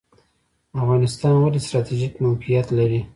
افغانستان ولې ستراتیژیک موقعیت لري؟